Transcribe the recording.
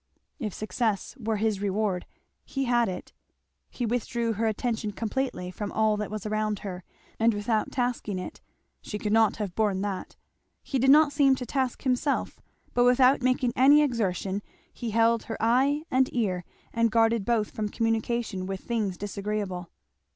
If success were his reward he had it. He withdrew her attention completely from all that was around her, and without tasking it; she could not have borne that. He did not seem to task himself; but without making any exertion he held her eye and ear and guarded both from communication with things disagreeable.